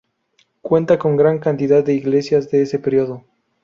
Cuenta con gran cantidad de iglesias de ese período.